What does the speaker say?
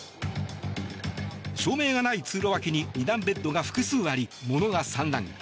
照明がない通路脇に二段ベッドが複数あり物が散乱。